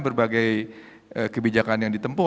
berbagai kebijakan yang ditempuh